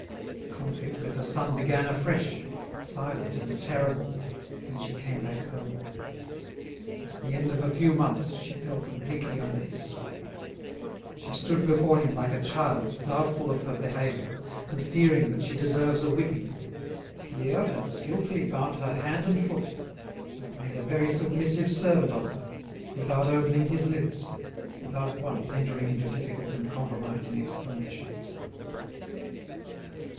The conflict with her son began afresh, silent and terrible, when she came back home. At the end of a few months she fell completely under his sway. She stood before him like a child doubtful of her behaviour and fearing that she deserves a whipping. Pierre had skilfully bound her hand and foot, and made a very submissive servant of her, without opening his lips, without once entering into difficult and compromising explanations.